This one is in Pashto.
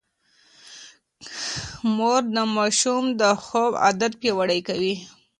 مور د ماشوم د خوب عادت پياوړی کوي.